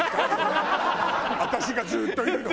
私がずっといるの？